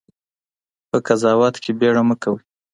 په قضاوت کې بېړه مه کوئ.